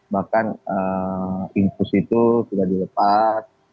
bahkan infus itu sudah dilepas